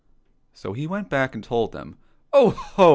" So he went back and told them. '* Oh ho